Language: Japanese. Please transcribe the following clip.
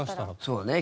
そうね。